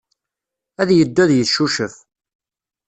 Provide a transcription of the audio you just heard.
Ad yeddu ad yeccucef.